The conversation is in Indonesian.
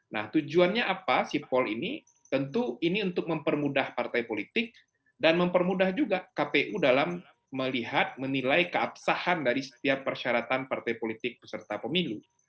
nah tujuannya apa sipol ini tentu ini untuk mempermudah partai politik dan mempermudah juga kpu dalam melihat menilai keabsahan dari setiap persyaratan partai politik peserta pemilu